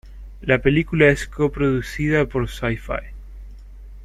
La película es co-producida por Syfy.